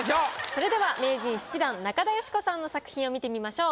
それでは名人７段中田喜子さんの作品を見てみましょう。